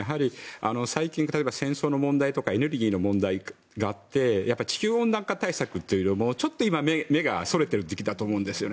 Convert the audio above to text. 最近、戦争の問題とかエネルギーの問題があって地球温暖化対策というのにちょっと今、目がそれている時期だと思うんですよね。